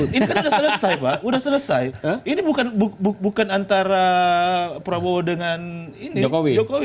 sudah selesai pak sudah selesai ini bukan antara prabowo dengan jokowi